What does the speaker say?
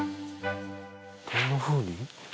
どんなふうに？